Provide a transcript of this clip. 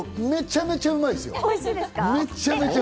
めちゃめちゃうまい！